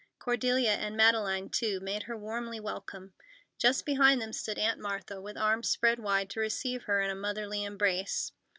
Cordelia and Madeleine, too, made her warmly welcome. Just behind them stood Aunt Martha, with arms spread wide to receive her in a motherly embrace.